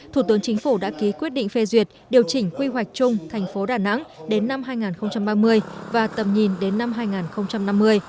thủ tướng chính phủ đã ký quyết định phê duyệt điều chỉnh quy hoạch chung thành phố đà nẵng đến năm hai nghìn ba mươi và tầm nhìn đến năm hai nghìn năm mươi